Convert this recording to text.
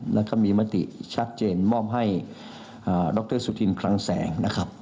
แล้วก็มีมติชัดเจนมอบให้ดรสุธินคลังแสงนะครับ